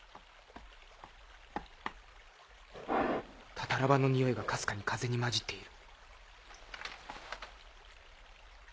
タタラ場のにおいがかすかに風に混じっている。